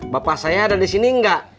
bapak saya ada disini enggak